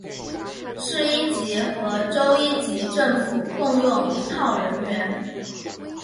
市一级和州一级政府共用一套人员。